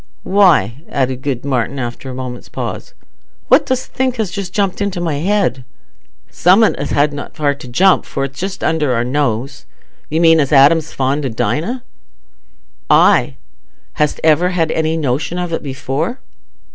Why," added good Martin, after a moment's pause, "what dost think has just jumped into my head?" "Summat as hadna far to jump, for it's just under our nose. You mean as Adam's fond o' Dinah." "Aye! hast ever had any notion of it before?"